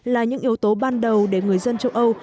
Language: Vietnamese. là những yếu tố ban đầu để người dân châu âu